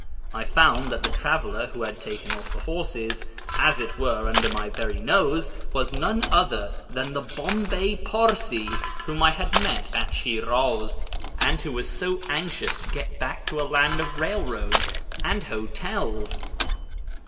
I found that the traveller who had taken off the horses, as it were under my very nose, was none other than the Bombay Parsee whom I had met at Shiruz, and who was so anxious to get back to a land of railroads and hotels.